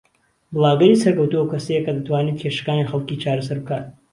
بڵاگەری سەرکەوتوو ئەو کەسەیە کە دەتوانێت کێشەکانی خەڵکی چارەسەر بکات